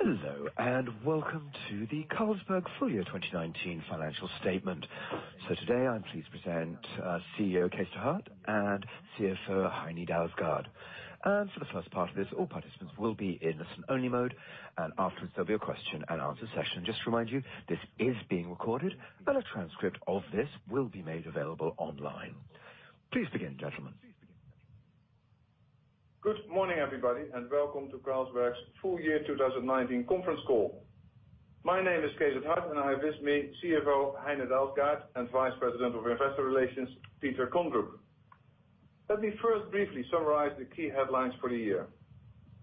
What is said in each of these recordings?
Hello, welcome to the Carlsberg Full Year 2019 Financial Statement. Today I'm pleased to present CEO Cees 't Hart and CFO Heine Dalsgaard. For the first part of this, all participants will be in listen-only mode, and afterwards there'll be a question and answer session. Just to remind you, this is being recorded, and a transcript of this will be made available online. Please begin, gentlemen. Good morning, everybody, and welcome to Carlsberg's full year 2019 conference call. My name is Cees 't Hart, and I have with me CFO Heine Dalsgaard and Vice President of Investor Relations, Peter Kondrup. Let me first briefly summarize the key headlines for the year.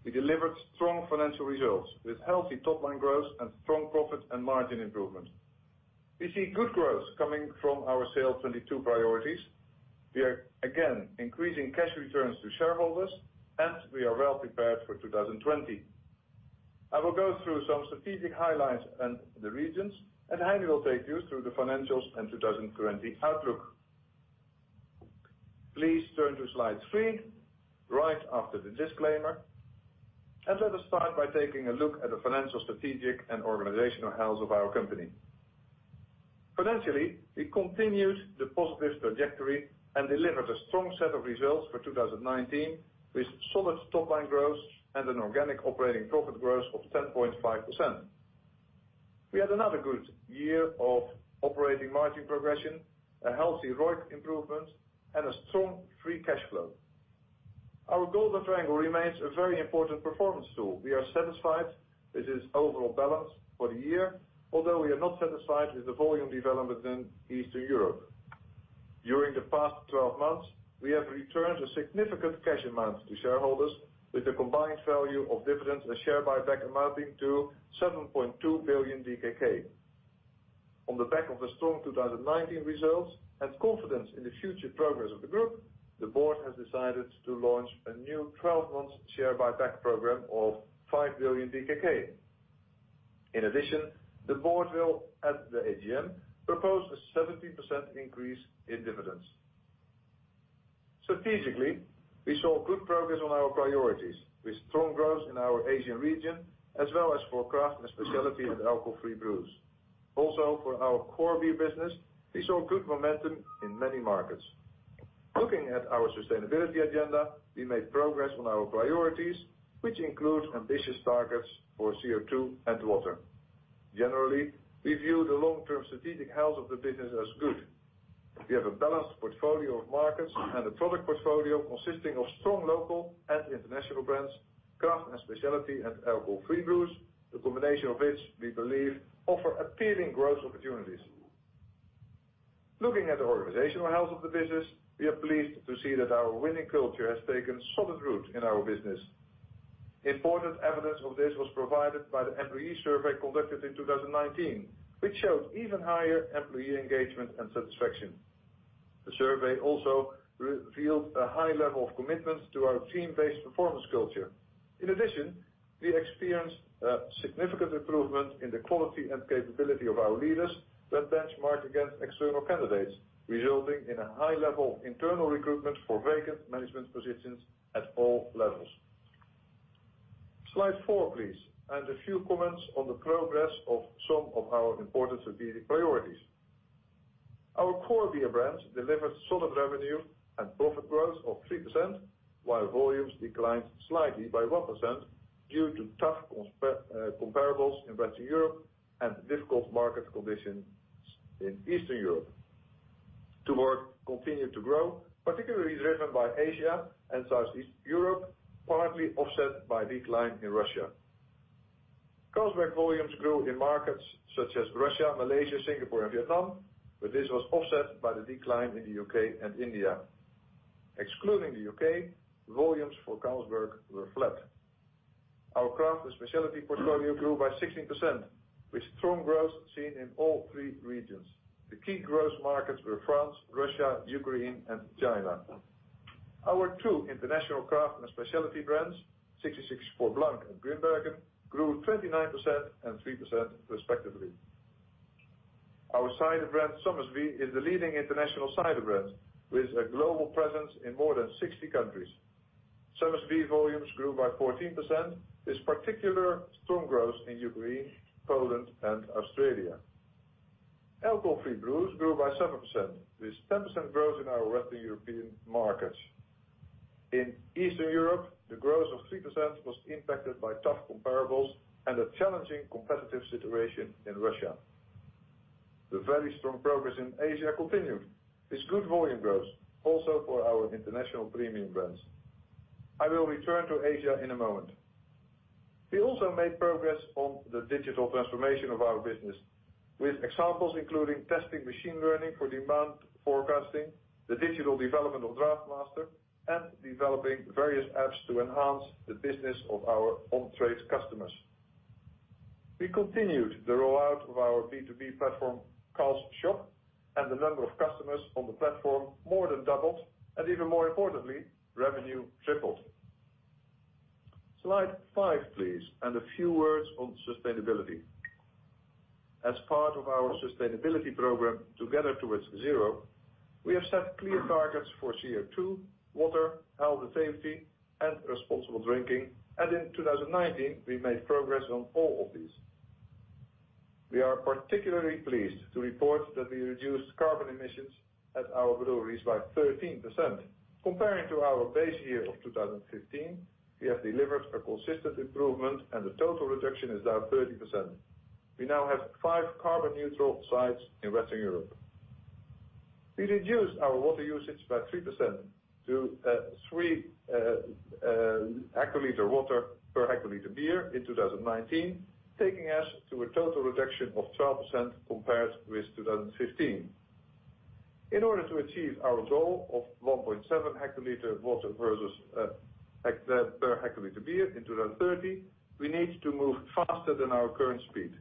We delivered strong financial results with healthy top-line growth and strong profit and margin improvement. We see good growth coming from our SAIL 2022 priorities. We are again increasing cash returns to shareholders, and we are well prepared for 2020. I will go through some strategic highlights and the regions, and Heine will take you through the financials and 2020 outlook. Please turn to slide three right after the disclaimer, and let us start by taking a look at the financial, strategic, and organizational health of our company. Financially, we continued the positive trajectory and delivered a strong set of results for 2019, with solid top-line growth and an organic operating profit growth of 10.5%. We had another good year of operating margin progression, a healthy ROIC improvement, and a strong free cash flow. Our Golden Triangle remains a very important performance tool. We are satisfied with its overall balance for the year, although we are not satisfied with the volume development in Eastern Europe. During the past 12 months, we have returned a significant cash amount to shareholders with a combined value of dividends and share buyback amounting to 7.2 billion DKK. On the back of the strong 2019 results and confidence in the future progress of the group, the board has decided to launch a new 12-month share buyback program of 5 billion DKK. In addition, the board will, at the AGM, propose a 17% increase in dividends. Strategically, we saw good progress on our priorities with strong growth in our Asian region, as well as for craft and specialty and alcohol-free brews. For our core beer business, we saw good momentum in many markets. Looking at our sustainability agenda, we made progress on our priorities, which include ambitious targets for CO2 and water. Generally, we view the long-term strategic health of the business as good. We have a balanced portfolio of markets and a product portfolio consisting of strong local and international brands, craft and specialty and alcohol-free brews, the combination of which we believe offer appealing growth opportunities. Looking at the organizational health of the business, we are pleased to see that our winning culture has taken solid root in our business. Important evidence of this was provided by the employee survey conducted in 2019, which showed even higher employee engagement and satisfaction. The survey also revealed a high level of commitment to our team-based performance culture. In addition, we experienced a significant improvement in the quality and capability of our leaders when benchmarked against external candidates, resulting in a high level of internal recruitment for vacant management positions at all levels. Slide four, please. A few comments on the progress of some of our important strategic priorities. Our core beer brands delivered solid revenue and profit growth of 3%, while volumes declined slightly by 1% due to tough comparables in Western Europe and difficult market conditions in Eastern Europe. Tuborg continued to grow, particularly driven by Asia and Southeast Europe, partly offset by decline in Russia. Carlsberg volumes grew in markets such as Russia, Malaysia, Singapore, and Vietnam, but this was offset by the decline in the U.K. and India. Excluding the U.K., volumes for Carlsberg were flat. Our craft and specialty portfolio grew by 16%, with strong growth seen in all three regions. The key growth markets were France, Russia, Ukraine, and China. Our two international craft and specialty brands, 1664 Blanc and Grimbergen, grew 29% and 3% respectively. Our cider brand, Somersby, is the leading international cider brand with a global presence in more than 60 countries. Somersby volumes grew by 14%, with particular strong growth in Ukraine, Poland, and Australia. Alcohol-free brews grew by 7%, with 10% growth in our Western European markets. In Eastern Europe, the growth of 3% was impacted by tough comparables and a challenging competitive situation in Russia. The very strong progress in Asia continued with good volume growth, also for our international premium brands. I will return to Asia in a moment. We also made progress on the digital transformation of our business, with examples including testing machine learning for demand forecasting, the digital development of DraftMaster, and developing various apps to enhance the business of our on-trade customers. We continued the rollout of our B2B platform, Carl's Shop, and the number of customers on the platform more than doubled, and even more importantly, revenue tripled. Slide five, please. A few words on sustainability. As part of our sustainability program, Together Towards ZERO, we have set clear targets for CO2, water, health and safety, and responsible drinking. In 2019, we made progress on all of these. We are particularly pleased to report that we reduced carbon emissions at our breweries by 13%. Comparing to our base year of 2015, we have delivered a consistent improvement, and the total reduction is now 30%. We now have five carbon neutral sites in Western Europe. We reduced our water usage by 3% to three hectoliter water per hectoliter beer in 2019, taking us to a total reduction of 12% compared with 2015. In order to achieve our goal of 1.7 hectoliter water versus per hectoliter beer in 2030, we need to move faster than our current speed.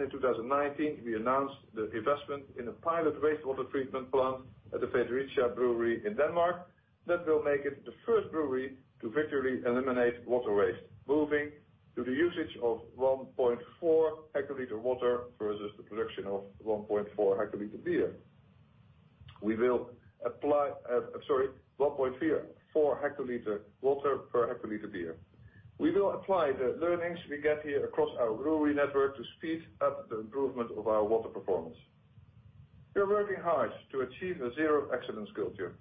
In 2019, we announced the investment in a pilot wastewater treatment plant at the Fredericia brewery in Denmark that will make it the first brewery to virtually eliminate water waste, moving to the usage of 1.4 hectoliter water versus the production of 1.4 hectoliter beer. We will apply the learnings we get here across our brewery network to speed up the improvement of our water performance. We are working hard to achieve a zero-accident culture.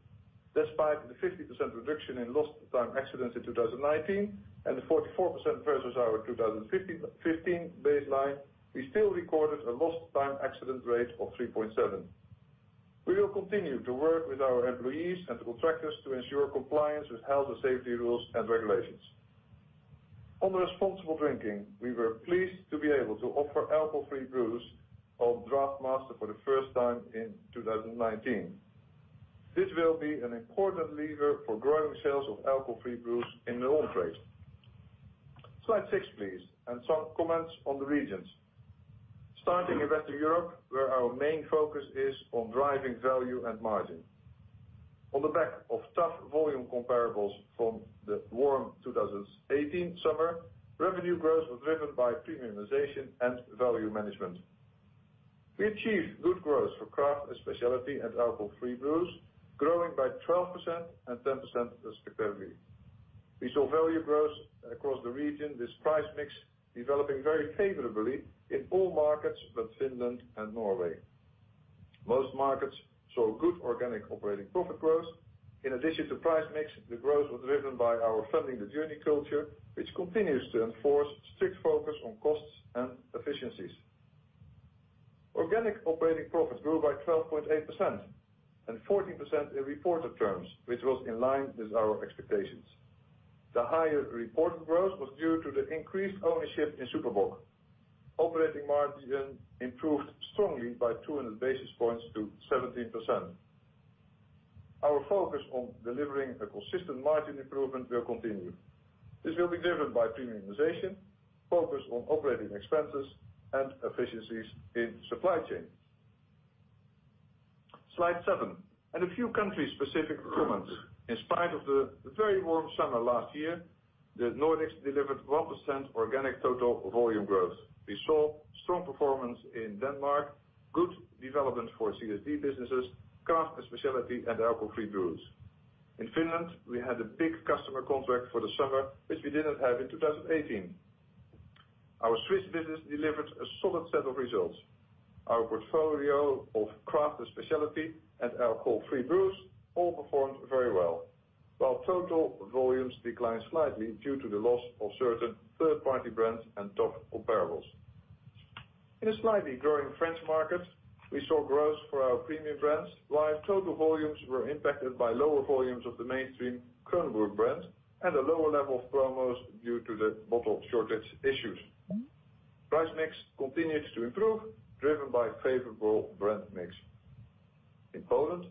Despite the 50% reduction in lost time accidents in 2019 and the 44% versus our 2015 baseline, we still recorded a lost time accident rate of 3.7. We will continue to work with our employees and contractors to ensure compliance with health and safety rules and regulations. On responsible drinking, we were pleased to be able to offer Alcohol-Free Brews on DraftMaster for the first time in 2019. This will be an important lever for growing sales of Alcohol-Free Brews in the on-trade. Slide six, please, and some comments on the regions. Starting in Western Europe, where our main focus is on driving value and margin. On the back of tough volume comparables from the warm 2018 summer, revenue growth was driven by premiumization and value management. We achieved good growth for craft, specialty, and alcohol-free brews, growing by 12%-10% respectively. We saw value growth across the region, with price mix developing very favorably in all markets but Finland and Norway. Most markets saw good organic operating profit growth. In addition to price mix, the growth was driven by our Funding the Journey culture, which continues to enforce strict focus on costs and efficiencies. Organic operating profit grew by 12.8% and 14% in reported terms, which was in line with our expectations. The higher reported growth was due to the increased ownership in Super Bock. Operating margin improved strongly by 200 basis points to 17%. Our focus on delivering a consistent margin improvement will continue. This will be driven by premiumization, focus on operating expenses, and efficiencies in supply chain. Slide seven. A few country-specific comments. In spite of the very warm summer last year, the Nordics delivered 1% organic total volume growth. We saw strong performance in Denmark, good development for CSD businesses, craft, specialty, and alcohol-free brews. In Finland, we had a big customer contract for the summer, which we didn't have in 2018. Our Swiss business delivered a solid set of results. Our portfolio of craft, specialty, and alcohol-free brews all performed very well. While total volumes declined slightly due to the loss of certain third-party brands and tough comparables. In a slightly growing French market, we saw growth for our premium brands, while total volumes were impacted by lower volumes of the mainstream Kronenbourg brand and a lower level of promos due to the bottle shortage issues. Price mix continued to improve, driven by favorable brand mix. In Poland,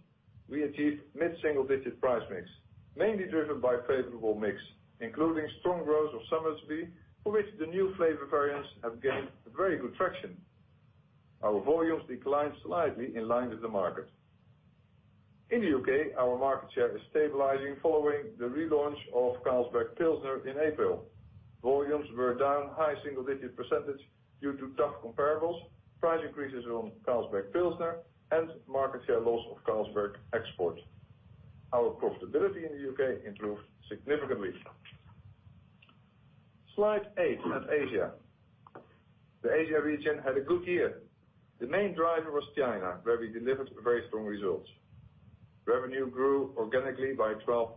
we achieved mid-single-digit price mix, mainly driven by favorable mix, including strong growth of Somersby, for which the new flavor variants have gained very good traction. Our volumes declined slightly in line with the market. In the U.K., our market share is stabilizing following the relaunch of Carlsberg Pilsner in April. Volumes were down high single-digit percentage due to tough comparables, price increases on Carlsberg Pilsner, and market share loss of Carlsberg Export. Our profitability in the U.K. improved significantly. Slide eight at Asia. The Asia region had a good year. The main driver was China, where we delivered very strong results. Revenue grew organically by 12.3%.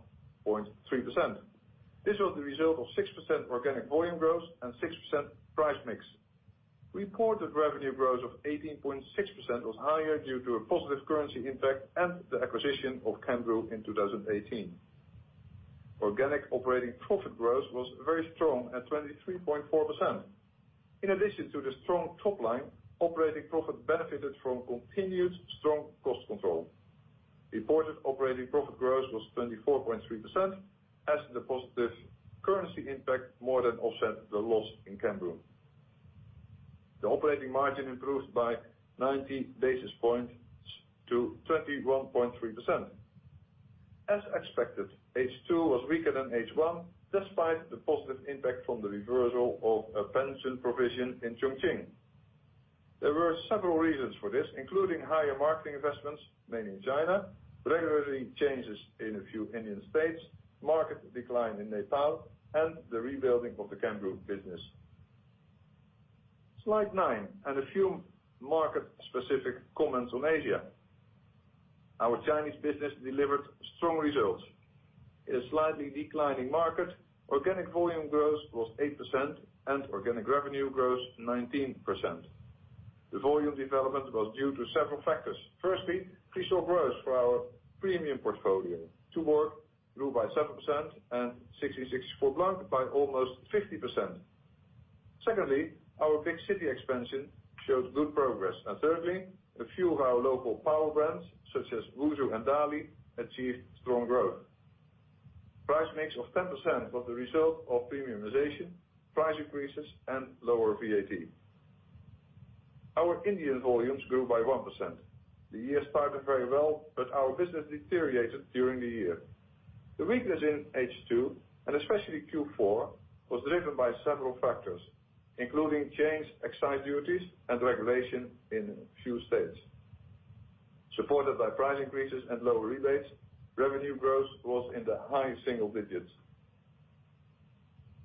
This was the result of 6% organic volume growth and 6% price mix. Reported revenue growth of 18.6% was higher due to a positive currency impact and the acquisition of Cambrew in 2018. Organic operating profit growth was very strong at 23.4%. In addition to the strong top line, operating profit benefited from continued strong cost control. Reported operating profit growth was 24.3% as the positive currency impact more than offset the loss in Cambrew. The operating margin improved by 90 basis points to 21.3%. As expected, H2 was weaker than H1, despite the positive impact from the reversal of a pension provision in Chongqing. There were several reasons for this, including higher marketing investments, mainly in China, regulatory changes in a few Indian states, market decline in Nepal, and the rebuilding of the Cambrew business. Slide nine and a few market-specific comments on Asia. Our Chinese business delivered strong results. In a slightly declining market, organic volume growth was 8% and organic revenue growth 19%. The volume development was due to several factors. Firstly, free store growth for our premium portfolio. Tuborg grew by 7% and 1664 Blanc by almost 50%. Secondly, our big city expansion showed good progress. Thirdly, a few of our local power brands such as Wusu and Dali achieved strong growth. Price mix of 10% was the result of premiumization, price increases, and lower VAT. Our Indian volumes grew by 1%. The year started very well, our business deteriorated during the year. The weakness in H2, and especially Q4, was driven by several factors, including changed excise duties and regulation in a few states. Supported by price increases and lower rebates, revenue growth was in the high single digits.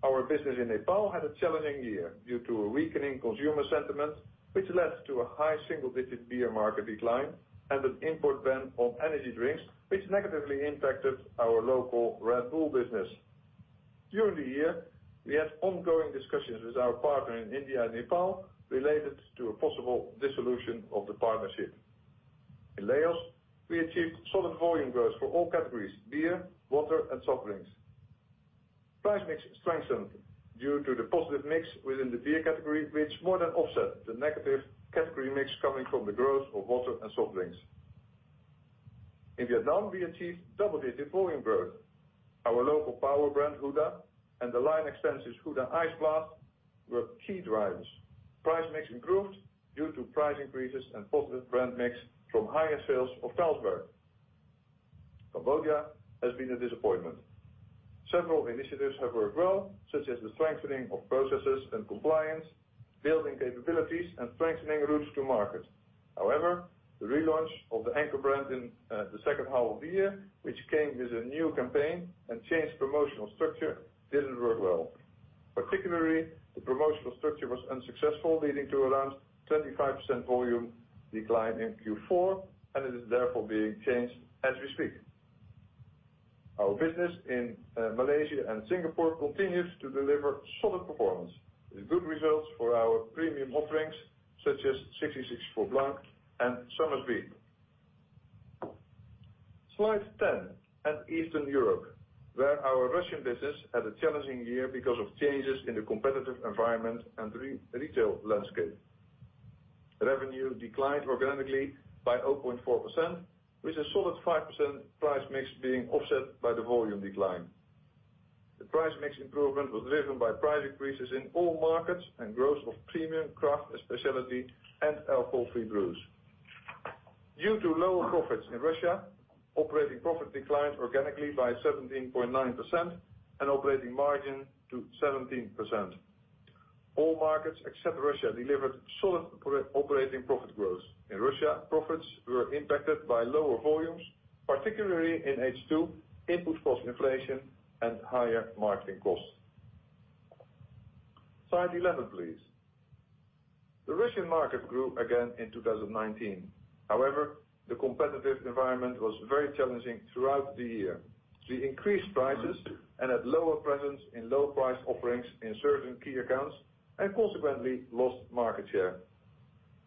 Our business in Nepal had a challenging year due to a weakening consumer sentiment, which led to a high single-digit beer market decline and an import ban on energy drinks, which negatively impacted our local Red Bull business. During the year, we had ongoing discussions with our partner in India and Nepal related to a possible dissolution of the partnership. In Laos, we achieved solid volume growth for all categories, beer, water, and soft drinks. Price mix strengthened due to the positive mix within the beer category, which more than offset the negative category mix coming from the growth of water and soft drinks. In Vietnam, we achieved double-digit volume growth. Our local power brand, Huda, and the line extension, Huda Ice Blast, were key drivers. Price mix improved due to price increases and positive brand mix from higher sales of Carlsberg. Cambodia has been a disappointment. Several initiatives have worked well, such as the strengthening of processes and compliance, building capabilities, and strengthening routes to market. However, the relaunch of the Angkor brand in the second half of the year, which came with a new campaign and changed promotional structure, didn't work well. Particularly, the promotional structure was unsuccessful, leading to around 25% volume decline in Q4, and it is therefore being changed as we speak. Our business in Malaysia and Singapore continues to deliver solid performance with good results for our premium offerings such as 1664 Blanc and Somersby. Slide 10 at Eastern Europe, where our Russian business had a challenging year because of changes in the competitive environment and retail landscape. Revenue declined organically by 0.4%, with a solid 5% price mix being offset by the volume decline. The price mix improvement was driven by price increases in all markets and growth of premium craft specialty and Alcohol-Free Brews. Due to lower profits in Russia, operating profit declined organically by 17.9% and operating margin to 17%. All markets except Russia delivered solid operating profit growth. In Russia, profits were impacted by lower volumes, particularly in H2, input cost inflation, and higher marketing costs. Slide 11, please. The Russian market grew again in 2019. The competitive environment was very challenging throughout the year. We increased prices and had lower presence in low price offerings in certain key accounts and consequently lost market share.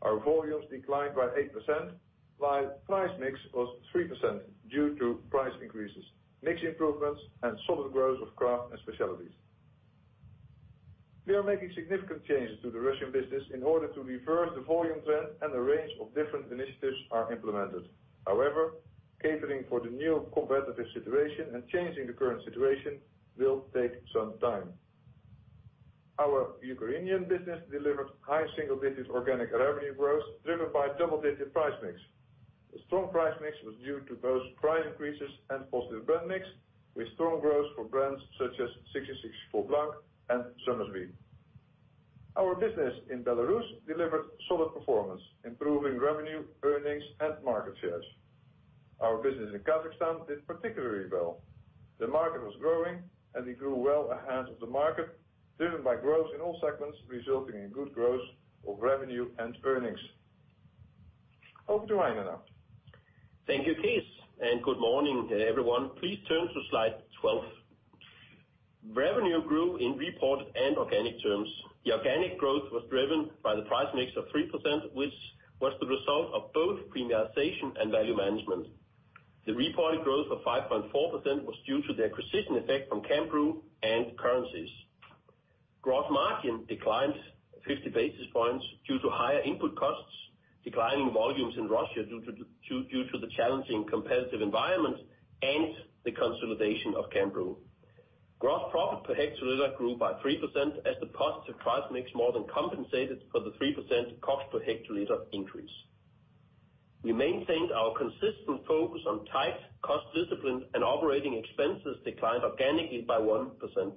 Our volumes declined by 8%, while price mix was 3% due to price increases, mix improvements, and solid growth of craft and specialties. We are making significant changes to the Russian business in order to reverse the volume trend and a range of different initiatives are implemented. However, catering for the new competitive situation and changing the current situation will take some time. Our Ukrainian business delivered high single digits organic revenue growth, driven by double-digit price mix. The strong price mix was due to both price increases and positive brand mix with strong growth for brands such as 1664 Blanc and Somersby. Our business in Belarus delivered solid performance, improving revenue, earnings, and market shares. Our business in Kazakhstan did particularly well. The market was growing, and we grew well ahead of the market, driven by growth in all segments, resulting in good growth of revenue and earnings. Over to Heine now. Thank you, Cees, good morning, everyone. Please turn to slide 12. Revenue grew in reported and organic terms. The organic growth was driven by the price mix of 3%, which was the result of both premiumization and value management. The reported growth of 5.4% was due to the acquisition effect from Cambrew and currencies. Gross margin declined 50 basis points due to higher input costs, declining volumes in Russia due to the challenging competitive environment and the consolidation of Cambrew. Gross profit per hectoliter grew by 3% as the positive price mix more than compensated for the 3% cost per hectoliter increase. We maintained our consistent focus on tight cost discipline, and operating expenses declined organically by 1%.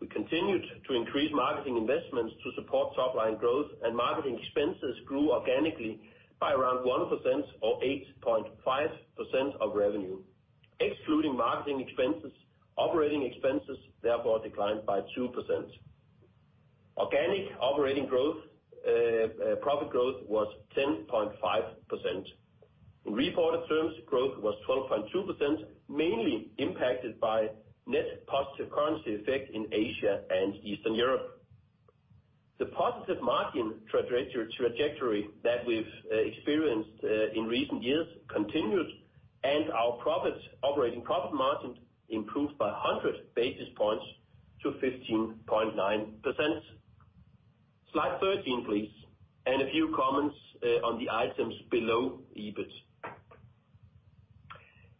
We continued to increase marketing investments to support top-line growth, and marketing expenses grew organically by around 1% or 8.5% of revenue. Excluding marketing expenses, operating expenses therefore declined by 2%. Organic operating profit growth was 10.5%. Reported terms growth was 12.2%, mainly impacted by net positive currency effect in Asia and Eastern Europe. The positive margin trajectory that we've experienced in recent years continued, and our operating profit margin improved by 100 basis points to 15.9%. Slide 13, please, and a few comments on the items below EBIT.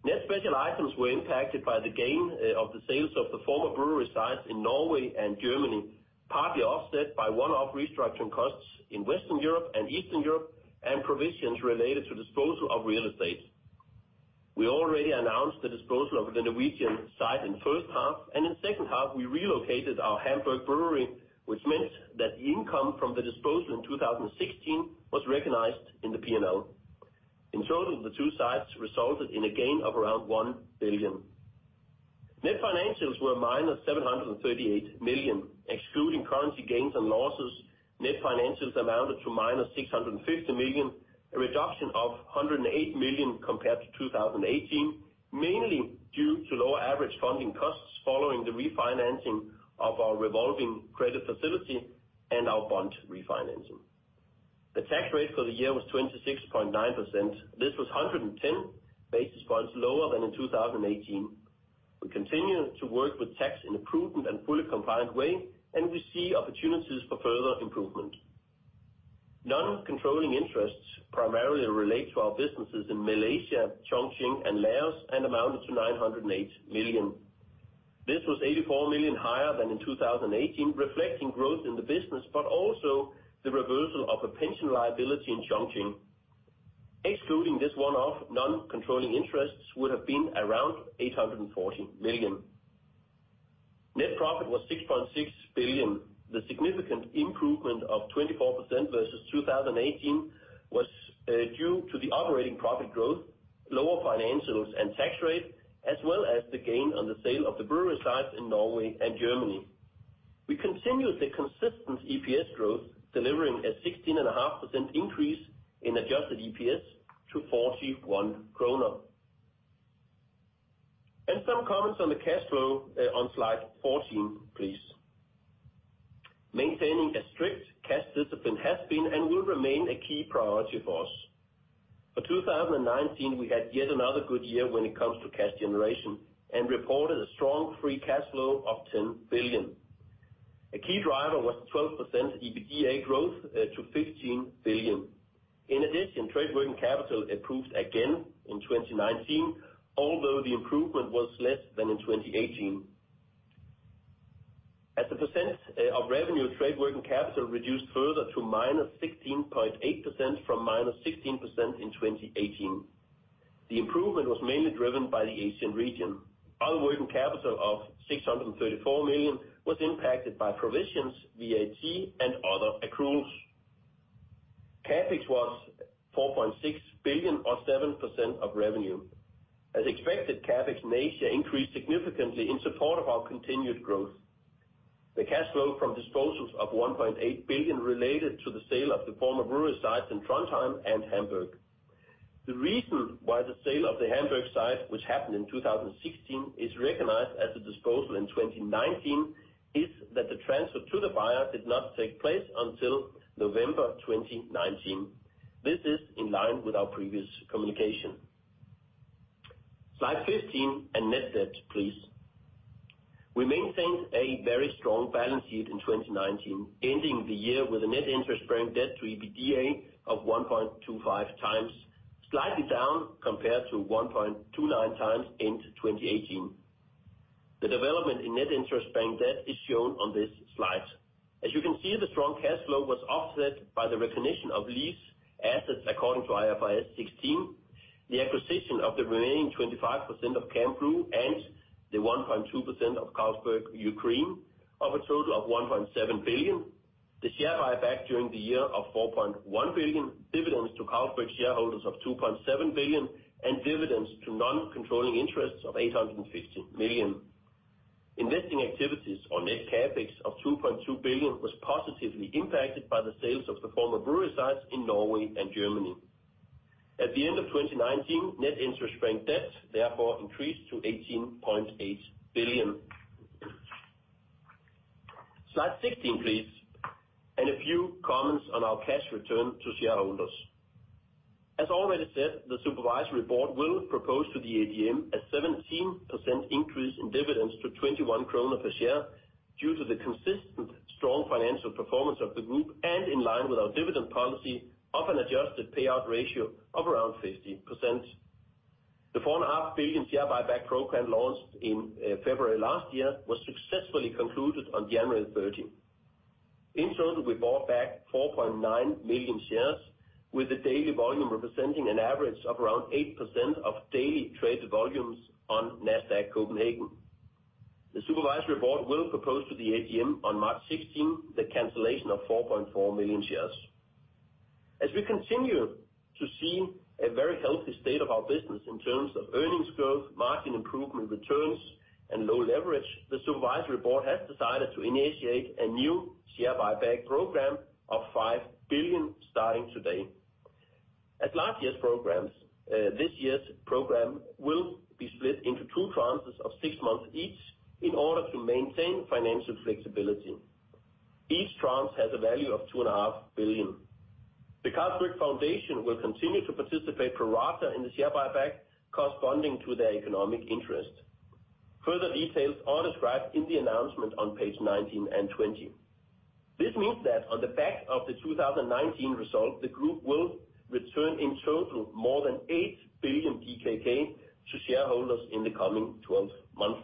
Net special items were impacted by the gain of the sales of the former brewery sites in Norway and Germany, partly offset by one-off restructuring costs in Western Europe and Eastern Europe, and provisions related to disposal of real estate. We already announced the disposal of the Norwegian site in the first half, and in the second half, we relocated our Hamburg brewery, which meant that the income from the disposal in 2016 was recognized in the P&L. In total, the two sites resulted in a gain of around 1 billion. Net financials were minus 738 million. Excluding currency gains and losses, net financials amounted to minus 650 million, a reduction of 108 million compared to 2018, mainly due to lower average funding costs following the refinancing of our revolving credit facility and our bond refinancing. The tax rate for the year was 26.9%. This was 110 basis points lower than in 2018. We continue to work with tax in a prudent and fully compliant way, and we see opportunities for further improvement. Non-controlling interests primarily relate to our businesses in Malaysia, Chongqing, and Laos, and amounted to 908 million. This was 84 million higher than in 2018, reflecting growth in the business, but also the reversal of a pension liability in Chongqing. Excluding this one-off, non-controlling interests would have been around 840 million. Net profit was 6.6 billion. The significant improvement of 24% versus 2018 was due to the operating profit growth, lower financials, and tax rate, as well as the gain on the sale of the brewery sites in Norway and Germany. We continued the consistent EPS growth, delivering a 16.5% increase in adjusted EPS to 41 kroner. Some comments on the cash flow on slide 14, please. Maintaining a strict cash discipline has been and will remain a key priority for us. For 2019, we had yet another good year when it comes to cash generation and reported a strong free cash flow of 10 billion. A key driver was the 12% EBITDA growth to 15 billion. In addition, trade working capital improved again in 2019, although the improvement was less than in 2018. As a percentage of revenue, trade working capital reduced further to -16.8% from -16% in 2018. The improvement was mainly driven by the Asian region. Other working capital of 634 million was impacted by provisions, VAT, and other accruals. CapEx was 4.6 billion or 7% of revenue. As expected, CapEx in Asia increased significantly in support of our continued growth. The cash flow from disposals of 1.8 billion related to the sale of the former brewery sites in Trondheim and Hamburg. The reason why the sale of the Hamburg site, which happened in 2016, is recognized as a disposal in 2019 is that the transfer to the buyer did not take place until November 2019. This is in line with our previous communication. Slide 15 and net debt, please. We maintained a very strong balance sheet in 2019, ending the year with a net interest-bearing debt to EBITDA of 1.25 times, slightly down compared to 1.29 times end 2018. The development in net interest-bearing debt is shown on this slide. As you can see, the strong cash flow was offset by the recognition of lease assets according to IFRS 16, the acquisition of the remaining 25% of Cambrew, and the 1.2% of Carlsberg Ukraine of a total of 1.7 billion, the share buyback during the year of 4.1 billion, dividends to Carlsberg shareholders of 2.7 billion, and dividends to non-controlling interests of 850 million. Investing activities on net CapEx of 2.2 billion was positively impacted by the sales of the former brewery sites in Norway and Germany. At the end of 2019, net interest-bearing debt therefore increased to 18.8 billion. Slide 16, please. A few comments on our cash return to shareholders. As already said, the Supervisory Board will propose to the AGM a 17% increase in dividends to DKK 21 per share due to the consistent strong financial performance of the group, and in line with our dividend policy of an adjusted payout ratio of around 50%. The 4.5 billion share buyback program launched in February last year was successfully concluded on January 30. In total, we bought back 4.9 million shares, with the daily volume representing an average of around 8% of daily traded volumes on Nasdaq Copenhagen. The Supervisory Board will propose to the AGM on March 16 the cancellation of 4.4 million shares. As we continue to see a very healthy state of our business in terms of earnings growth, margin improvement returns and low leverage, the Supervisory Board has decided to initiate a new share buyback program of 5 billion starting today. As last year's programs, this year's program will be split into two tranches of six months each in order to maintain financial flexibility. Each tranche has a value of 2.5 billion. The Carlsberg Foundation will continue to participate pro rata in the share buyback corresponding to their economic interest. Further details are described in the announcement on page 19 and 20. This means that on the back of the 2019 result, the group will return in total more than 8 billion DKK to shareholders in the coming 12 months.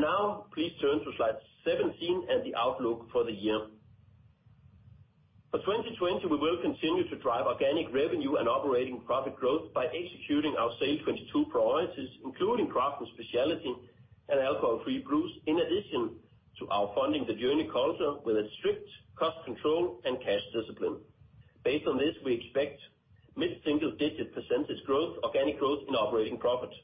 Now please turn to slide 17 and the outlook for the year. For 2020, we will continue to drive organic revenue and operating profit growth by executing our SAIL 2022 priorities, including craft and specialty and Alcohol-Free Brews, in addition to our Funding the Journey culture with a strict cost control and cash discipline. Based on this, we expect mid-single digit percentage growth, organic growth in operating profit.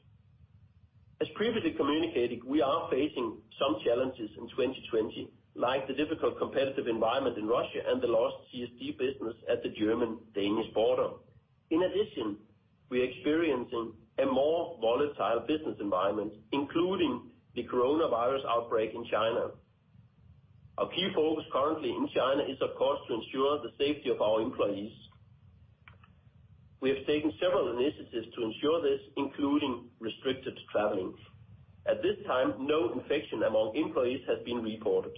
As previously communicated, we are facing some challenges in 2020, like the difficult competitive environment in Russia and the lost CSD business at the German-Danish border. We are experiencing a more volatile business environment, including the coronavirus outbreak in China. Our key focus currently in China is, of course, to ensure the safety of our employees. We have taken several initiatives to ensure this, including restricted traveling. At this time, no infection among employees has been reported.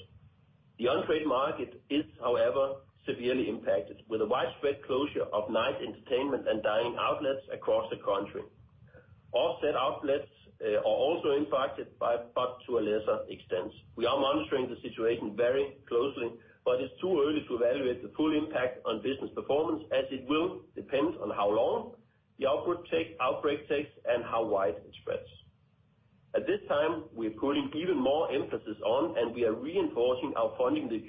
The on-trade market is, however, severely impacted, with a widespread closure of night entertainment and dining outlets across the country. Off-trade outlets are also impacted by, but to a lesser extent. We are monitoring the situation very closely, but it's too early to evaluate the full impact on business performance, as it will depend on how long the outbreak takes and how wide it spreads. At this time, we are putting even more emphasis on, and we are reinforcing our Funding the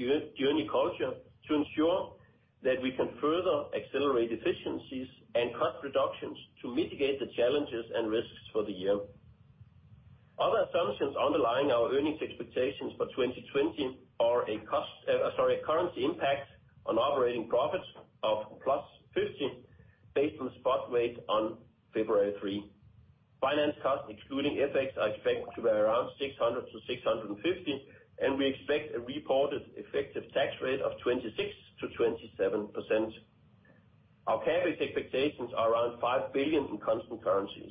Journey culture to ensure that we can further accelerate efficiencies and cost reductions to mitigate the challenges and risks for the year. Other assumptions underlying our earnings expectations for 2020 are a currency impact on operating profits of 15%+, based on spot rate on February 3. Finance costs, excluding FX, are expected to be around 600-650, and we expect a reported effective tax rate of 26%-27%. Our CapEx expectations are around 5 billion in constant currencies.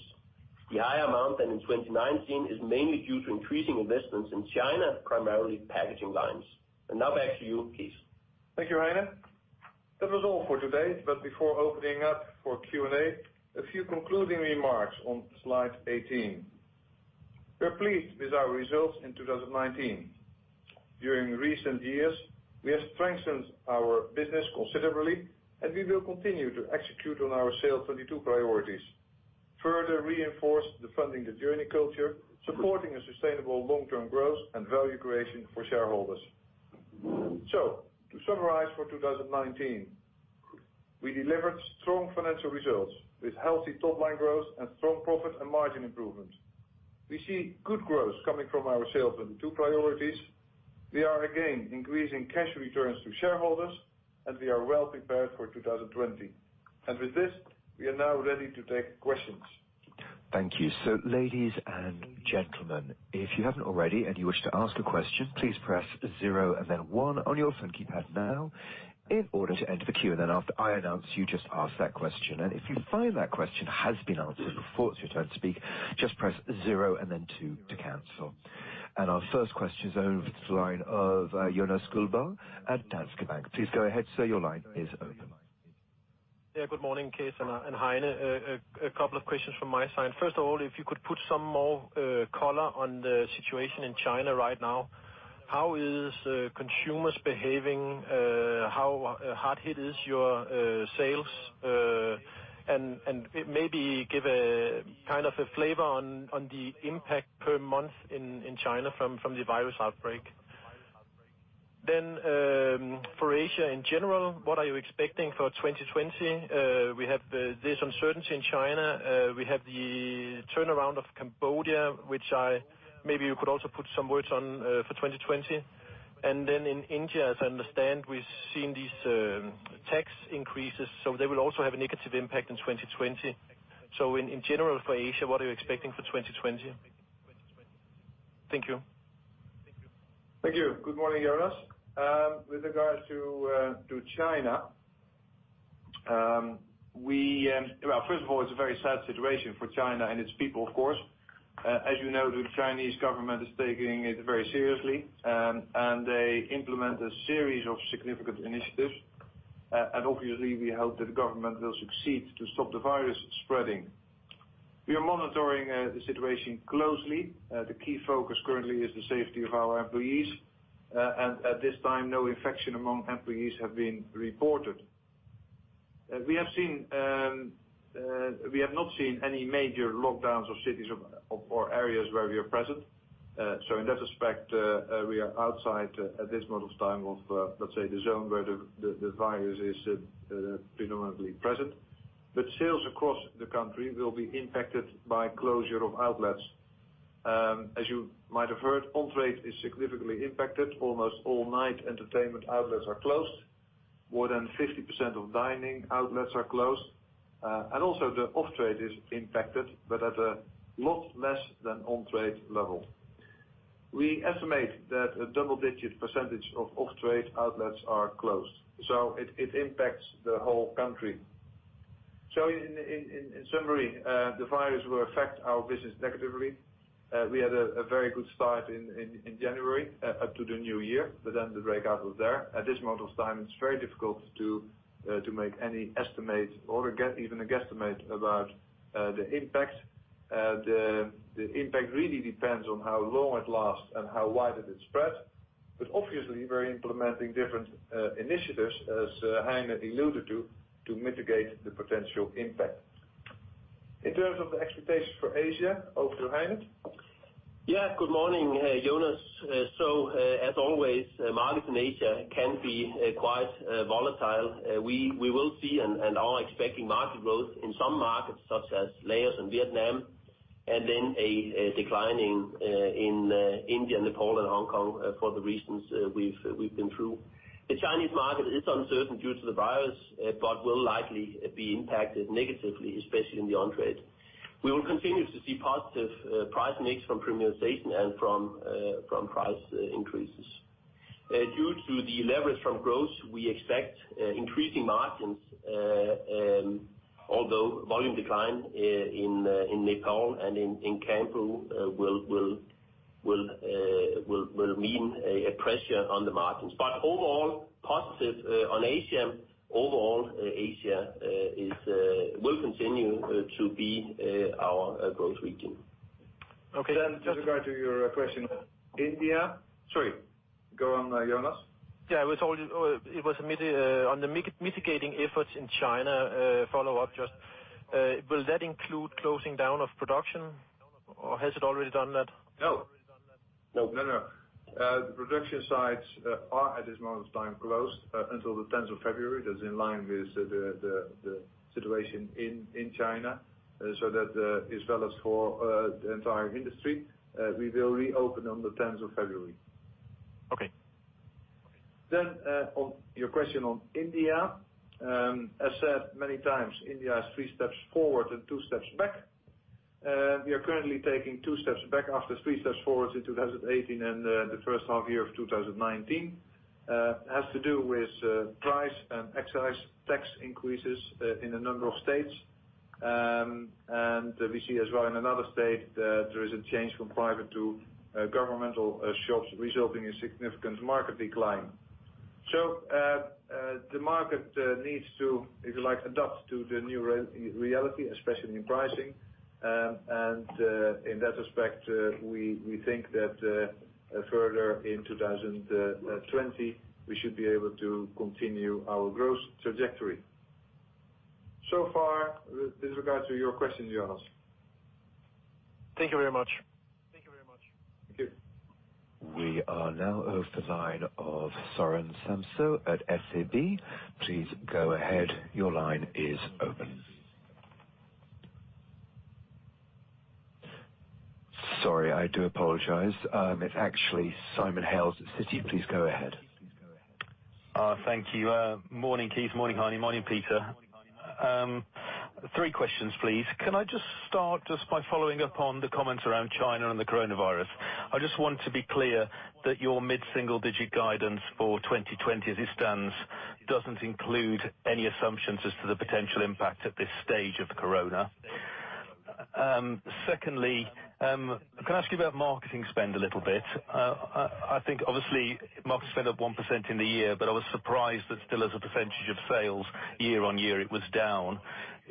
The higher amount than in 2019 is mainly due to increasing investments in China, primarily packaging lines. Now back to you, Cees. Thank you, Heine. That was all for today, but before opening up for Q&A, a few concluding remarks on slide 18. We're pleased with our results in 2019. During recent years, we have strengthened our business considerably, and we will continue to execute on our SAIL 2022 priorities, further reinforce the Funding the Journey culture, supporting a sustainable long-term growth and value creation for shareholders. To summarize for 2019, we delivered strong financial results with healthy top-line growth and strong profit and margin improvements. We see good growth coming from our SAIL 2022 priorities. We are again increasing cash returns to shareholders, and we are well prepared for 2020. With this, we are now ready to take questions. Thank you. Ladies and gentlemen, if you haven't already and you wish to ask a question, please press zero and then one on your phone keypad now in order to enter the queue. After I announce you, just ask that question. If you find that question has been answered before it's your turn to speak, just press zero and then two to cancel. Our first question is over to the line of Jonas Guldborg at Danske Bank. Please go ahead, sir. Your line is open. Good morning, Cees and Heine. A couple of questions from my side. First, if you could put some more color on the situation in China right now. How is consumers behaving? How hard hit is your sales? Maybe give a kind of a flavor on the impact per month in China from the virus outbreak. For Asia in general, what are you expecting for 2020? We have this uncertainty in China. We have the turnaround of Cambodia, which maybe you could also put some words on for 2020. In India, as I understand, we've seen these tax increases, so they will also have a negative impact in 2020. In general for Asia, what are you expecting for 2020? Thank you. Thank you. Good morning, Jonas. With regards to China, first of all, it's a very sad situation for China and its people, of course. As you know, the Chinese government is taking it very seriously. They implement a series of significant initiatives. Obviously, we hope that the government will succeed to stop the virus spreading. We are monitoring the situation closely. The key focus currently is the safety of our employees. At this time, no infection among employees have been reported. We have not seen any major lockdowns of cities or areas where we are present. In that respect, we are outside at this moment of time of, let's say, the zone where the virus is predominantly present. Sales across the country will be impacted by closure of outlets. As you might have heard, on-trade is significantly impacted. Almost all night entertainment outlets are closed more than 50% of dining outlets are closed. Also the off-trade is impacted, but at a lot less than on-trade level. We estimate that a double-digit percentage of off-trade outlets are closed. It impacts the whole country. In summary, the virus will affect our business negatively. We had a very good start in January up to the new year, but then the breakout was there. At this moment of time, it's very difficult to make any estimate or even a guesstimate about the impact. The impact really depends on how long it lasts and how wide it spreads, but obviously we're implementing different initiatives, as Heine alluded to mitigate the potential impact. In terms of the expectations for Asia, over to Heine. Yeah. Good morning, Jonas. As always, markets in Asia can be quite volatile. We will see and are expecting market growth in some markets such as Laos and Vietnam, and then a decline in India, Nepal, and Hong Kong for the reasons we've been through. The Chinese market is uncertain due to the virus but will likely be impacted negatively, especially in the on-trade. We will continue to see positive price mix from premiumization and from price increases. Due to the leverage from growth, we expect increasing margins, although volume decline in Nepal and in Cambodia will mean a pressure on the margins. Overall positive on Asia. Overall, Asia will continue to be our growth region. Okay. With regard to your question, India. Sorry. Go on, Jonas. Yeah. On the mitigating efforts in China, follow up just, will that include closing down of production or has it already done that? No. The production sites are, at this moment of time, closed until the 10th of February. That's in line with the situation in China. That is valid for the entire industry. We will reopen on the 10th of February. Okay. On your question on India. As said many times, India is three steps forward and two steps back. We are currently taking two steps back after three steps forward in 2018 and the first half year of 2019. Has to do with price and excise tax increases in a number of states. We see as well in another state that there is a change from private to governmental shops, resulting in significant market decline. The market needs to, if you like, adapt to the new reality, especially in pricing. In that respect, we think that further in 2020, we should be able to continue our growth trajectory. So far, with regard to your question, Jonas. Thank you very much. Thank you. We are now off the line of Søren Samsøe at SEB. Please go ahead. Your line is open. Sorry, I do apologize. It's actually Simon Hales at Citi. Please go ahead. Thank you. Morning, Cees. Morning, Heine. Morning, Peter. Three questions, please. Can I just start just by following up on the comments around China and the coronavirus? I just want to be clear that your mid-single digit guidance for 2020 as it stands doesn't include any assumptions as to the potential impact at this stage of the corona. Secondly, can I ask you about marketing spend a little bit? I think obviously marketing spend up 1% in the year, but I was surprised that still as a percentage of sales year-over-year it was down.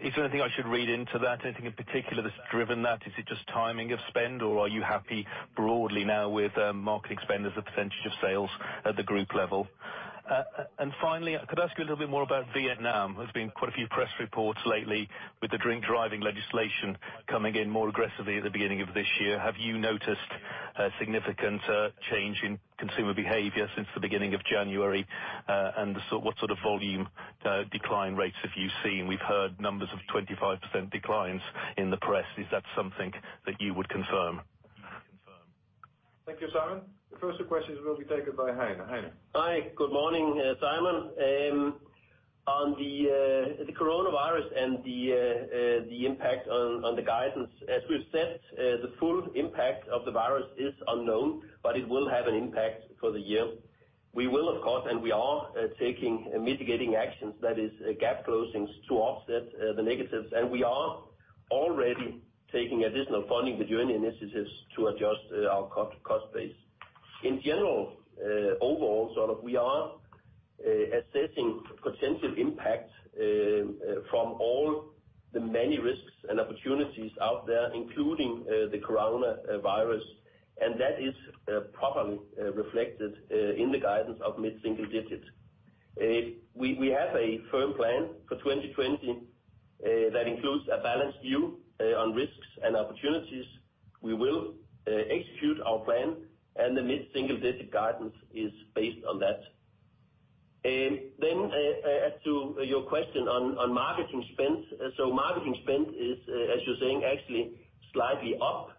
Is there anything I should read into that? Anything in particular that's driven that? Is it just timing of spend, or are you happy broadly now with marketing spend as a percentage of sales at the group level? Finally, could I ask you a little bit more about Vietnam? There's been quite a few press reports lately with the drink driving legislation coming in more aggressively at the beginning of this year. Have you noticed a significant change in consumer behavior since the beginning of January? What sort of volume decline rates have you seen? We've heard numbers of 25% declines in the press. Is that something that you would confirm? Thank you, Simon. The first two questions will be taken by Heine. Heine? Hi. Good morning, Simon. On the coronavirus and the impact on the guidance, as we've said, the full impact of the virus is unknown, but it will have an impact for the year. We will, of course, and we are taking mitigating actions, that is gap closings to offset the negatives. We are already taking additional Funding the Journey initiatives to adjust our cost base. In general, overall, we are assessing potential impact from all the many risks and opportunities out there, including the coronavirus, and that is properly reflected in the guidance of mid-single digits. We have a firm plan for 2020 that includes a balanced view on risks and opportunities. We will execute our plan, and the mid-single-digit guidance is based on that. As to your question on marketing spend. Marketing spend is, as you're saying, actually slightly up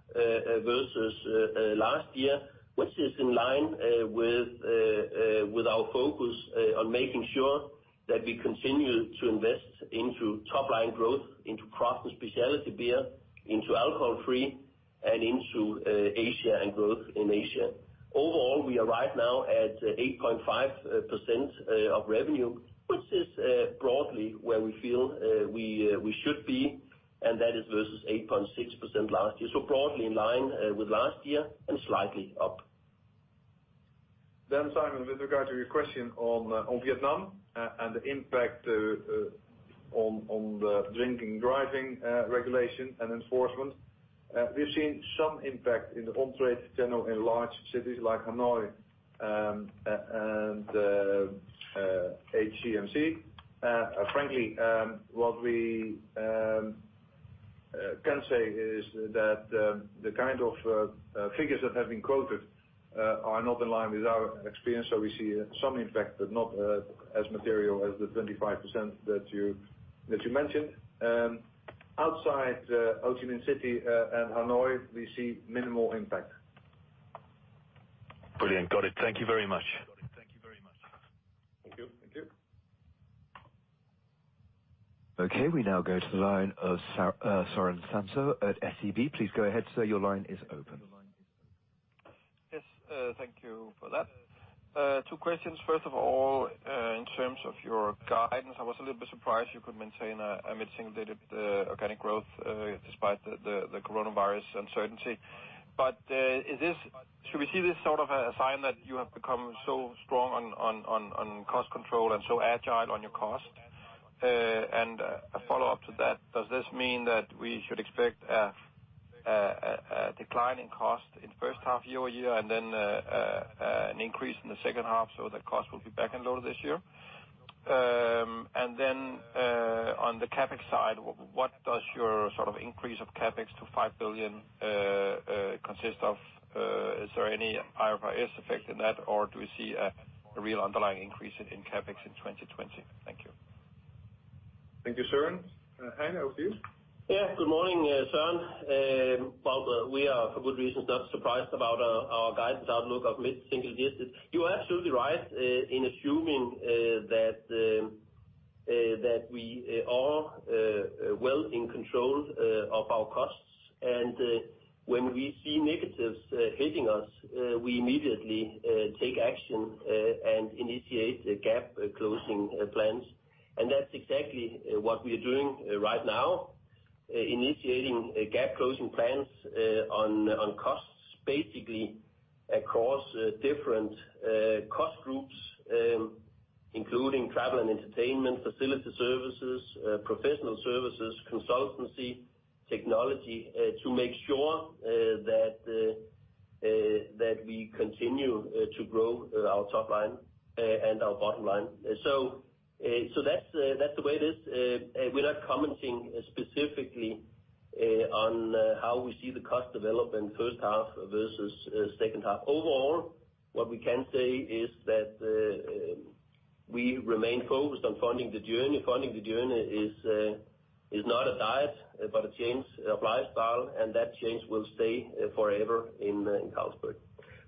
versus last year, which is in line with our focus on making sure that we continue to invest into top-line growth, into craft and specialty beer, into alcohol-free, and into Asia and growth in Asia. Overall, we are right now at 8.5% of revenue, which is broadly where we feel we should be, and that is versus 8.6% last year. Broadly in line with last year and slightly up. Simon, with regard to your question on Vietnam and the impact on the drinking/driving regulation and enforcement. We've seen some impact in the on-trade channel in large cities like Hanoi and HCMC. Frankly, what we can say is that the kind of figures that have been quoted are not in line with our experience. We see some impact, but not as material as the 25% that you mentioned. Outside Ho Chi Minh City and Hanoi, we see minimal impact. Brilliant. Got it. Thank you very much. Thank you. Thank you. Okay, we now go to the line of Søren Samsøe at SEB. Please go ahead, sir, your line is open. Yes, thank you for that. Two questions. First of all, in terms of your guidance, I was a little bit surprised you could maintain a mid-single-digit organic growth despite the coronavirus uncertainty. Should we see this sort of a sign that you have become so strong on cost control and so agile on your cost? A follow-up to that, does this mean that we should expect a decline in cost in the first half year-over-year and then an increase in the second half so that cost will be back-end loaded this year? On the CapEx side, what does your increase of CapEx to 5 billion consist of? Is there any IFRS effect in that, or do we see a real underlying increase in CapEx in 2020? Thank you. Thank you, Søren. Heine, over to you. Yeah. Good morning, Søren. Well, we are, for good reason, not surprised about our guidance outlook of mid-single digits. You are absolutely right in assuming that we are well in control of our costs, and when we see negatives hitting us, we immediately take action and initiate gap closing plans. That's exactly what we are doing right now, initiating gap closing plans on costs, basically across different cost groups, including travel and entertainment, facility services, professional services, consultancy, technology, to make sure that we continue to grow our top line and our bottom line. That's the way it is. We're not commenting specifically on how we see the cost development first half versus second half. Overall, what we can say is that we remain focused on Funding the Journey. Funding the Journey is not a diet, but a change of lifestyle, and that change will stay forever in Carlsberg.